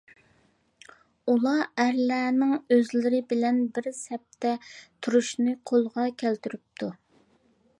ئۇلار ئەرلەرنىڭ ئۆزلىرى بىلەن بىر سەپتە تۇرۇشىنى قولغا كەلتۈرۈپتۇ.